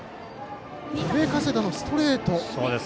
上加世田のストレート。